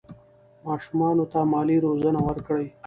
ماشومانو ته مالي روزنه ورکړئ.